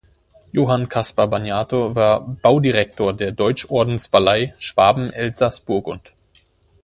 Johann Caspar Bagnato war Baudirektor der Deutschordensballei Schwaben-Elsass-Burgund.